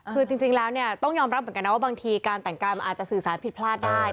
คือจริงแล้วเนี่ยต้องยอมรับเหมือนกันนะว่าบางทีการแต่งกายมันอาจจะสื่อสารผิดพลาดได้